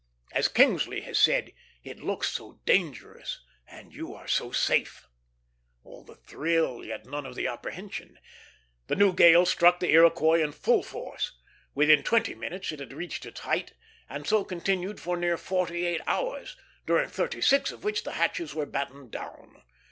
As Kingsley has said, "It looks so dangerous, and you are so safe" all the thrill, yet none of the apprehension. The new gale struck the Iroquois in full force. Within twenty minutes it had reached its height, and so continued for near forty eight hours, during thirty six of which the hatches were battened down.